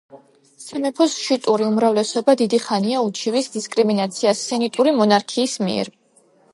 სამეფოს შიიტური უმრავლესობა დიდი ხანია უჩივის დისკრიმინაციას სუნიტური მონარქიის მიერ.